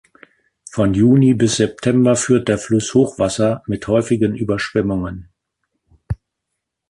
Von Juni bis September führt der Fluss Hochwasser mit häufigen Überschwemmungen.